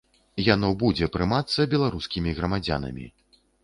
Яно будзе прымацца беларускімі грамадзянамі.